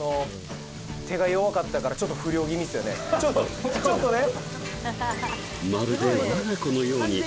いや僕ちょっとちょっとね